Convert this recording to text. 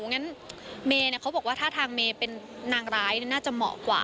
งั้นเมย์เขาบอกว่าถ้าทางเมย์เป็นนางร้ายน่าจะเหมาะกว่า